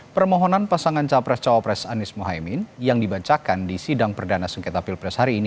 permohonan pasangan capres cawapres anies mohaimin yang dibacakan di sidang perdana sengketa pilpres hari ini